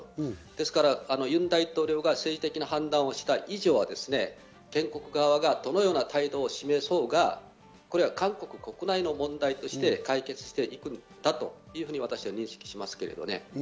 ですから、ユン大統領が政治的な判断をした以上は、原告側がどのような態度を示そうが、韓国国内の問題として、解決していくんだというふうに私は認識しますけどね。